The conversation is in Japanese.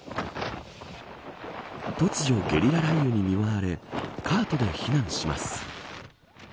突如、ゲリラ雷雨に見舞われカートで避難します。